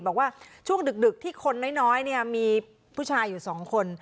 บอกว่าช่วงดึกที่คนน้อยมีผู้ชายอยู่๒คน